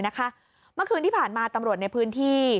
เมื่อคืนที่ผ่านมาตำรวจในพื้นที่